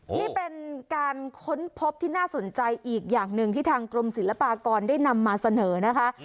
นี่เป็นการค้นพบที่น่าสนใจอีกอย่างหนึ่งที่ทางกรมศิลปากรได้นำมาเสนอนะคะ